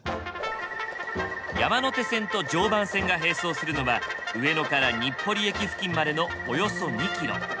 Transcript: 山手線と常磐線が並走するのは上野から日暮里駅付近までのおよそ２キロ。